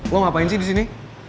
lo ngapain sih di sini